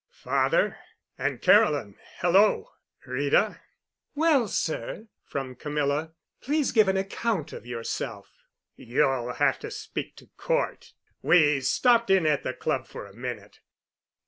"Father—Aunt Caroline—Hello! Rita." "Well, sir—" from Camilla, "please give an account of yourself." "You'll have to speak to Cort. We stopped in at the Club for a minute.